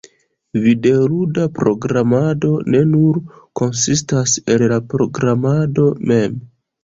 videoluda programado ne nur konsistas el la programado mem.